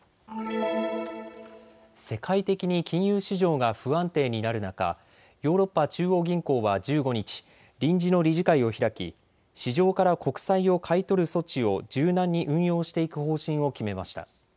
世界的に金融市場が不安定になる中、ヨーロッパ中央銀行は１５日、臨時の理事会を開き市場から国債を買い取る措置を柔軟に運用していく方針を決めました。